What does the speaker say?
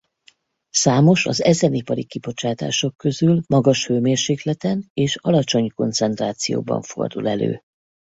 Számos az ezen ipari kibocsátások közül magas hőmérsékleten és alacsony koncentrációban fordul elő.